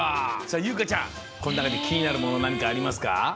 さあ優香ちゃんこのなかできになるものなんかありますか？